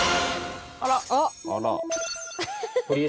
「あら！」